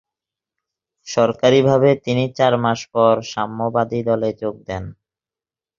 সরকারিভাবে তিনি চার মাস পর সাম্যবাদী দলে যোগ দেন।